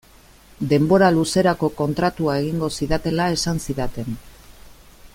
Denbora luzerako kontratua egingo zidatela esan zidaten.